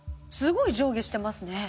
すごい上下してますね。